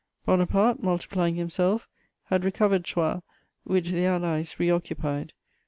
Bonaparte, multiplying himself, had recovered Troyes, which the Allies reoccupied.